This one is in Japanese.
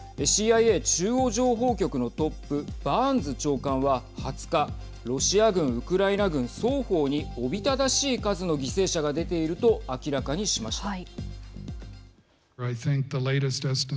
ＣＩＡ＝中央情報局のトップバーンズ長官は２０日ロシア軍、ウクライナ軍双方におびただしい数の犠牲者が出ていると明らかにしました。